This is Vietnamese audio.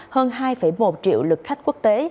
hơn hai một triệu lượt khách quốc tế